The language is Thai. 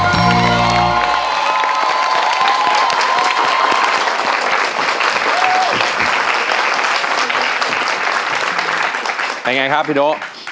เป็นไงครับพี่โด